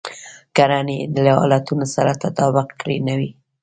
کړنې يې له حالتونو سره تطابق کې نه وي.